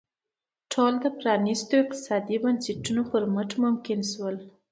ټول د پرانیستو اقتصادي بنسټونو پر مټ ممکن شول.